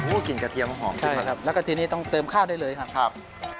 อู้วกลิ่นกระเทียมหอมจริงครับครับใช่แล้วก็ทีนี้ต้องเติมข้าวได้เลยครับครับ